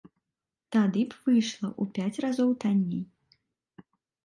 Тады б выйшла ў пяць разоў танней.